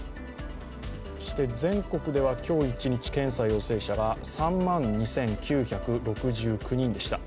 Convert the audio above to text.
そして全国では今日一日検査陽性者が３万２９６９人でした。